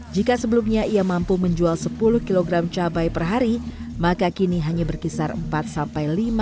jika sebelumnya ia mampu menjual sepuluh kg cabai per hari maka kini hanya berkisar empat lima kg cabai saja setiap harinya